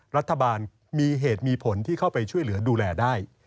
รัฐบาลมีเหตุมีผลที่เข้าไปช่วยเหลือดูแลได้